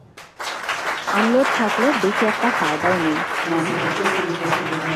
Unload থাকলে বেশী একটা ফায়দাও নেই, ম্যাম।